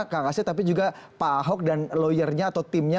kang asep tapi juga pak ahok dan lawyernya atau timnya